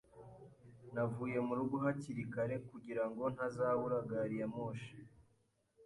Navuye mu rugo hakiri kare kugira ngo ntazabura gari ya moshi.